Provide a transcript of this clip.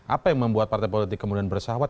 apa yang membuat partai politik kemudian bersahabat